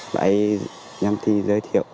bà ấy nhắm thi giới thiệu